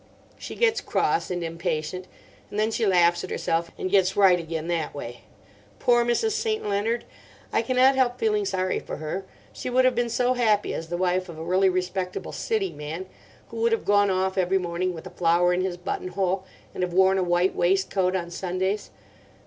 She gets cross and impatient; and then she laughs at herself, and gets right again that way. Poor Mrs. St. Leonard! I cannot help feeling sorry for her. She would have been so happy as the wife of a really respectable City man, who would have gone off every morning with a flower in his buttonhole and have worn a white waistcoat on Sundays.